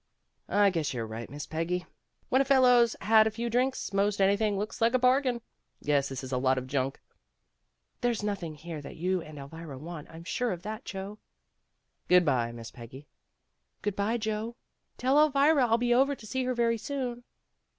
"I guess you're right, Miss Peggy. When a fellow's had a few drinks, most anything looks like a bargain. Guess this is a lot of junk." "There's nothing here that you and Elvira want, I'm sure of that, Joe." "Good by, Miss Peggy." "Good by, Joe. Tell Elvira I'll be over to see her very soon."